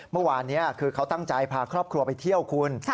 เมื่อวานนี้คือเขาตั้งใจพาครอบครัวไปเที่ยวคุณ